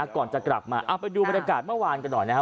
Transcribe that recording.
ก่อนจะกลับมาเอาไปดูบรรยากาศเมื่อวานกันหน่อยนะครับ